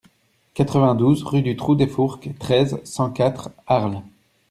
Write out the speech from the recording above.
quatre-vingt-douze rue du Trou de Fourques, treize, cent quatre, Arles